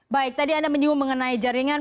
baik tadi anda menyinggung mengenai jaringan